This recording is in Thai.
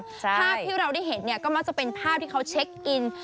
ภาพที่เราได้เห็นเนี่ยก็มักจะเป็นภาพที่เขาเช็คอิน